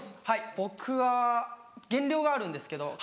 はい僕は減量があるんですけど。